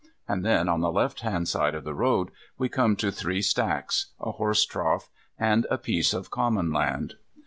And then, on the left hand side of the road, we come to three stacks, a horse trough, and a piece of commonland.